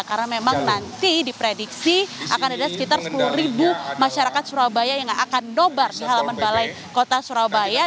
karena memang nanti diprediksi akan ada sekitar sepuluh masyarakat surabaya yang akan nobar di halaman balai kota surabaya